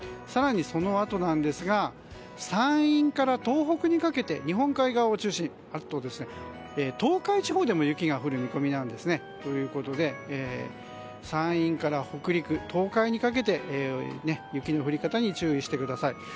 更に、そのあとなんですが山陰から東北にかけて日本海側を中心にそして東海地方でも雪が降る見込みなんですね。ということで山陰から北陸、東海にかけて雪の降り方に注意してください。